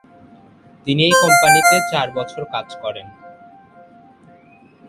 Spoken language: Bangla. তিনি এই কোম্পানিতে চার বছর কাজ করেন।